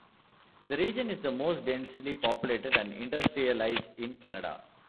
The region is the most densely populated and industrialized in Canada.